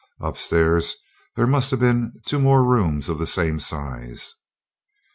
Upstairs there must have been two more rooms of the same size.